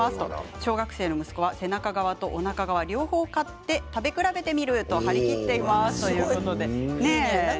小学生の息子は背中側とおなか側と両方買って食べ比べてみると言っています。